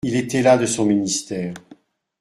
Il était las de son ministère.